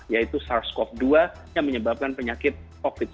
yaitu sars cov dua yang menyebabkan penyakit covid sembilan belas